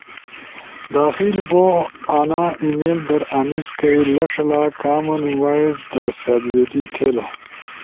داخل بو آنا ای میل در آنیس کئی لݜلا کامن وائس در سأت ویلی تھے لا۔